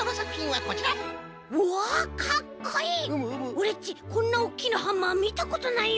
オレっちこんなおっきなハンマーみたことないよ。